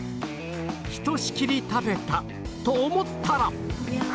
ひとしきり食べたと思ったら！